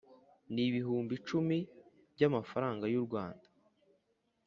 n ibihumbi icumi by amafaranga y u rwanda